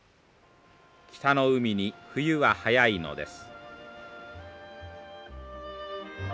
北の海に冬は早いのです。